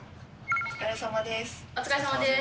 お疲れさまです。